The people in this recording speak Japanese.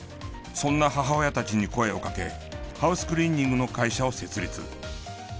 そんな母親たちに声を掛けハウスクリーニングの会社を設立。